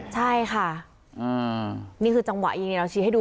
ใช่ค่ะนี่คือจังหวะยิงเนี่ยเราชี้ให้ดู